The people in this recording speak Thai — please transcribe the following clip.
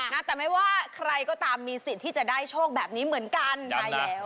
นะแต่ไม่ว่าใครก็ตามมีสิทธิ์ที่จะได้โชคแบบนี้เหมือนกันใช่แล้ว